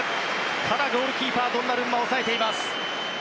ただ、ゴールキーパードンナルンマ、押さえています。